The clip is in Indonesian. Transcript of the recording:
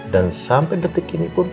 dan sampai detik ini pun